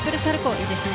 いいですね。